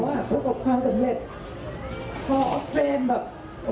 ว่าความสำเร็จ